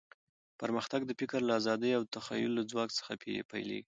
پرمختګ د فکر له ازادۍ او د تخیل له ځواک څخه پیلېږي.